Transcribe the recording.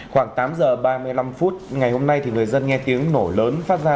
khoảng tám giờ ba mươi năm phút ngày hôm nay người dân nghe tiếng nổ lớn phát ra